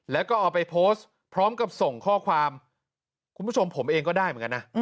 แล้วก็เอาไปโพสต์พร้อมกับส่งข้อความคุณผู้ชมผมเองก็ได้เหมือนกันนะ